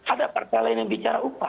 ada partai lain yang bicara upah